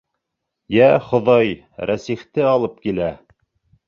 Йә, Хоҙай, Рәсихте алып килә!